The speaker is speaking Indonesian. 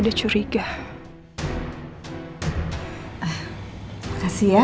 tapi gue harus percaya sama dia